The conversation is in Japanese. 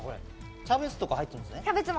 キャベツとか入ってるんですね。